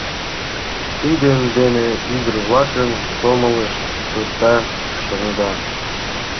Тидын дене ӱдыр-влакын сомылышт пыта, шонеда?